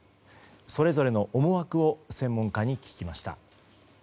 それぞれの思惑を専門家に聞きました。